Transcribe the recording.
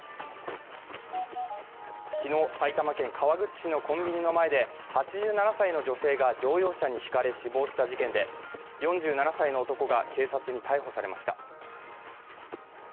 昨日、埼玉県川口市のコンビニの前で８７歳の女性が乗用車にひかれ死亡した事件で４７歳の男が警察に逮捕されました。